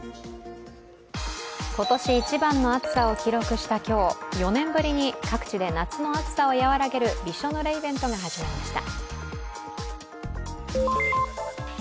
今年一番の暑さを記録した今日４年ぶりに各地で夏の暑さを和らげるびしょぬれイベントが始まりました。